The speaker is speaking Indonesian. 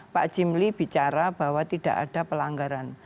pak jimli bicara bahwa tidak ada pelanggaran